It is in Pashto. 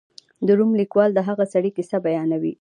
د روم لیکوال د هغه سړي کیسه بیانوي.